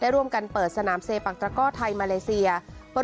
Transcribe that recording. ได้ร่วมกันเปิดสนามเซปังตะเกาะไทยมาเลสียา